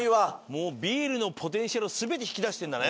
もうビールのポテンシャルを全て引き出してんだね。